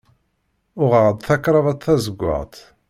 Uɣeɣ-d takravat tazeggaɣt.